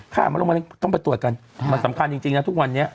มะลงมะเร็งต้องไปตรวจกันมันสำคัญจริงนะทุกวันนี้